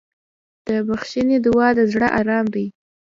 د بښنې دعا د زړه ارام دی.